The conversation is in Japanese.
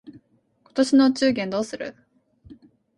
今年のお中元どうする？